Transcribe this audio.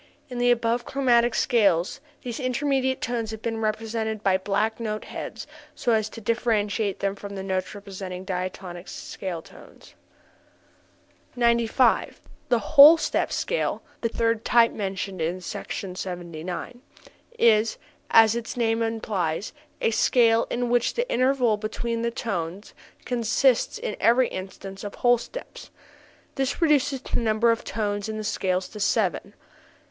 In the above chromatic scales these intermediate tones have been represented by black note heads so as to differentiate them from the notes representing diatonic scale tones. 95. The whole step scale (the third type mentioned in Sec. 79) is, as its name implies, a scale in which the intervals between the tones consist in every instance of whole steps. This reduces the number of tones in the scale to seven.